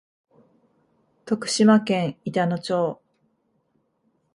徳島県板野町